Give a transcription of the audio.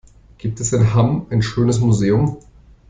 Gibt es in Hamm ein schönes Museum?